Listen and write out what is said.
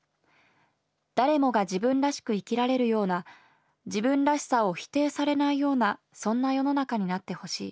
「誰もが自分らしく生きられるような自分らしさを否定されないようなそんな世の中になって欲しい。